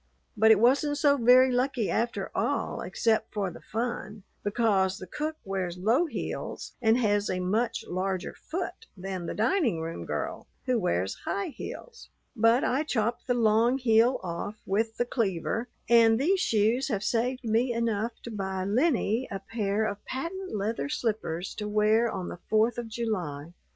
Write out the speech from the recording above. But it wasn't so very lucky after all except for the fun, because the cook wears low heels and has a much larger foot than the dining room girl, who wears high heels. But I chopped the long heel off with the cleaver, and these shoes have saved me enough to buy Lennie a pair of patent leather slippers to wear on the Fourth of July."